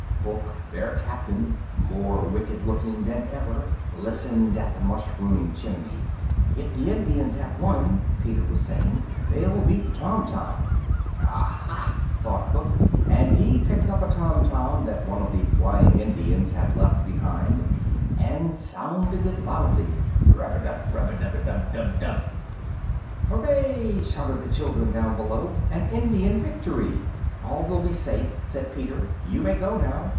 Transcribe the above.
Hook, their captain, more wicked looking than ever, listened at the mushroom chimney. "If the Indians have won," Peter was saying, "they'll beat the tom tom." "Aha!" thought Hook, and he picked up a tom tom that one of the flying Indians had left behind, and sounded it loudly; "rub a dub, rub a dub, dub, dub, dub." "Hurrah!" shouted the children down below. "An Indian victory!" "All will be safe," said Peter. "You may go now!